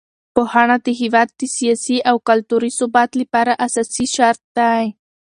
پوهنه د هېواد د سیاسي او کلتوري ثبات لپاره اساسي شرط دی.